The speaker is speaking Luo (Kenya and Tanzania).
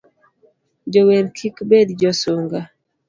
Jower kik bed josunga